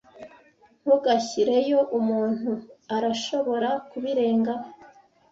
Ntugashyireyo. Umuntu arashobora kubirengaho.